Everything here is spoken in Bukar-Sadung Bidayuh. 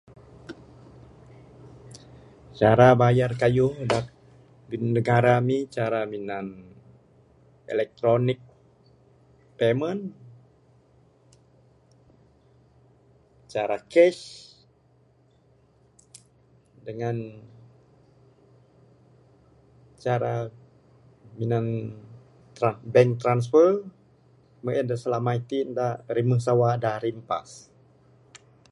Cara bayar kayuh da di negara Ami cara minjam electronic payment cara cash dangan cara minan tran bank transfer meh en slama itin ne da rimeh sawa rimpas.